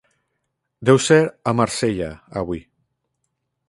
Deu ser a Marsella, avui.